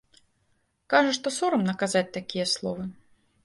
Кажа, што сорамна казаць такія словы.